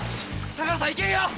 高原さん行けるよ！